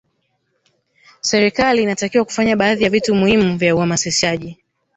serikali inatakiwa kufanya baadhi ya vitu muhimu vya uhamasishaji